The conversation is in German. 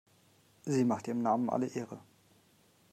Sie macht ihrem Namen alle Ehre.